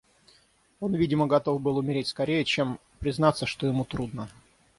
Он, видимо, готов был умереть скорее, чем признаться, что ему трудно.